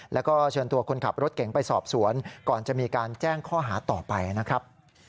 แล้วก็เชิญตัวคนขับรถเก๋งไปสอบสวนก่อนจะมีการแจ้งข้อหาต่อไปนะครับ